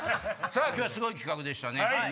さぁ今日はすごい企画でしたね